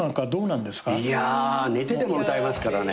いや寝てても歌えますからね。